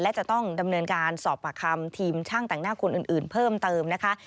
และจะต้องดำเนินการสอบปากคำทีมช่างแต่งหน้าคนอื่นเพิ่มเติมนะคะ